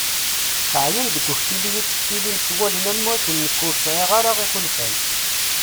Ɛyan deg uktli iyi-ttektilin s wallen am wakken nekk ur sɛiɣ ara iḥulfan.